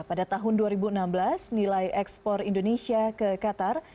pada tahun dua ribu enam belas nilai ekspor indonesia ke qatar